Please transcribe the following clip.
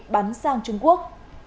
bắn sang trung quốc